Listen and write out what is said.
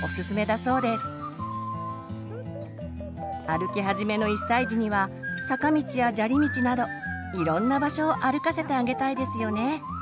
歩き始めの１歳児には坂道や砂利道などいろんな場所を歩かせてあげたいですよね。